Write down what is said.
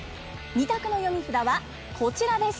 ２択の読み札はこちらです。